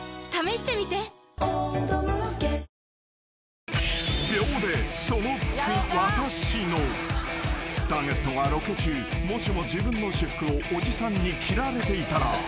十六種類で十六茶［ターゲットがロケ中もしも自分の私服をおじさんに着られていたら？